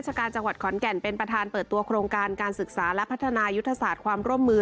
การจังหวัดขอนแก่นเป็นประธานเปิดตัวโครงการการศึกษาและพัฒนายุทธศาสตร์ความร่วมมือ